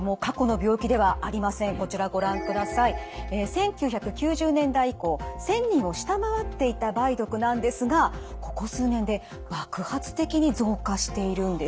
１９９０年代以降１，０００人を下回っていた梅毒なんですがここ数年で爆発的に増加しているんです。